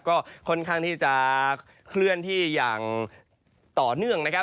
ก็ค่อนข้างที่จะเคลื่อนที่อย่างต่อเนื่องนะครับ